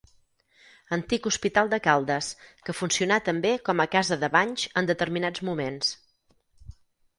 Antic hospital de Caldes, que funcionà també com a casa de banys en determinats moments.